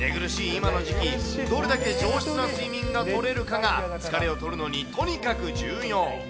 今の時期、どれだけ上質な睡眠がとれるかが、疲れをとるのにとにかく重要。